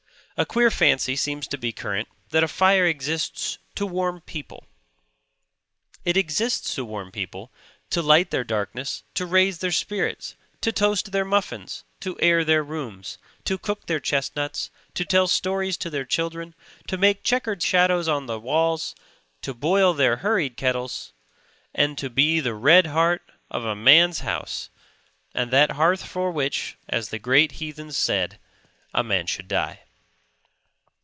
A queer fancy seems to be current that a fire exists to warm people. It exists to warm people, to light their darkness, to raise their spirits, to toast their muffins, to air their rooms, to cook their chestnuts, to tell stories to their children, to make checkered shadows on their walls, to boil their hurried kettles, and to be the red heart of a man's house and that hearth for which, as the great heathens said, a man should die.